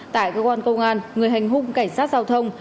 tại cơ quan công an người hành hung cảnh sát giao thông